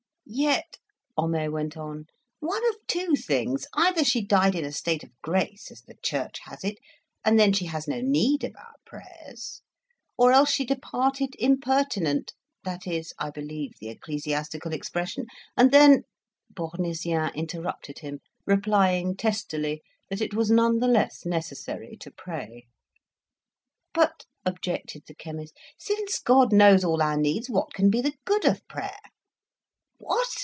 "Yet," Homais went on, "one of two things; either she died in a state of grace (as the Church has it), and then she has no need of our prayers; or else she departed impertinent (that is, I believe, the ecclesiastical expression), and then " Bournisien interrupted him, replying testily that it was none the less necessary to pray. "But," objected the chemist, "since God knows all our needs, what can be the good of prayer?" "What!"